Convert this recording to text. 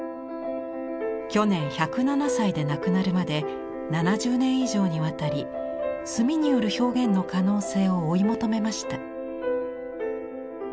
去年１０７歳で亡くなるまで７０年以上にわたり墨による表現の可能性を追い求めました。